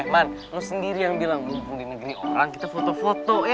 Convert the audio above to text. man lo sendiri yang bilang mumpung di negeri orang kita foto foto ya